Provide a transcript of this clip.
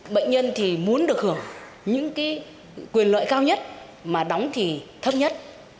bệnh nhân thì muốn được hưởng những quyền lợi cao nhất mà đóng thì thấp nhất